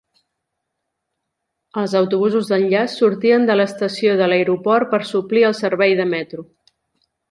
Els autobusos d'enllaç sortien de l'estació de l'aeroport per suplir el servei de metro.